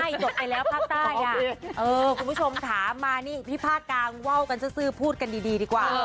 ใช่จบไปแล้วภาคใต้อ่ะเออคุณผู้ชมถามมานี่ที่ภาคกลางว่าวกันซื้อพูดกันดีดีกว่า